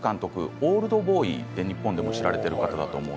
「オールド・ボーイ」で日本でも知られていますね。